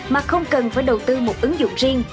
mà không cần phải đầu tư một ứng dụng riêng